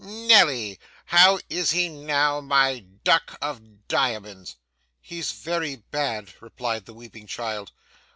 Nelly! How is he now, my duck of diamonds?' 'He's very bad,' replied the weeping child.